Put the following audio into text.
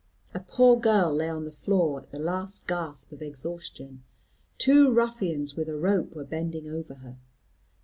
A poor girl lay on the floor at the last gasp of exhaustion. Two ruffians with a rope were bending over her.